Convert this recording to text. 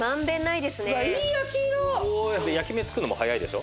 焼き目つくのも早いでしょ。